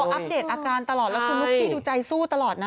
อัปเดตอาการตลอดแล้วคือลูกพี่ดูใจสู้ตลอดนะ